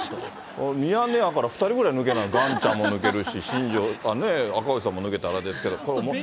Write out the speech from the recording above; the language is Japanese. ミヤネ屋から２人ぐらい抜けな、がんちゃんも抜けるし、新庄もね、赤星さんも抜けたらですけど。